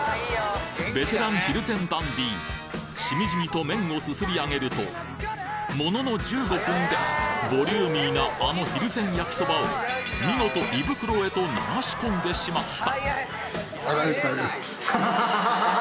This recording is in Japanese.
ベテラン蒜山ダンディしみじみと麺をすすりあげるとものの１５分でボリューミーなあのひるぜん焼そばを見事胃袋へと流し込んでしまった！